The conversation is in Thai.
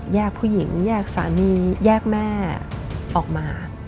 ผู้หญิงแยกสามีแยกแม่ออกมา